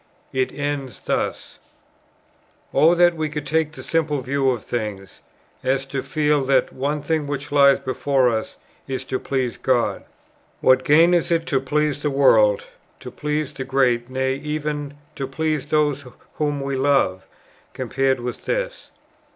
It ends thus: "O that we could take that simple view of things, as to feel that the one thing which lies before us is to please God! What gain is it to please the world, to please the great, nay even to please those whom we love, compared with this?